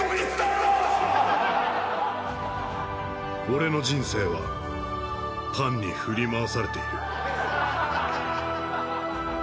俺の人生はパンに振り回されている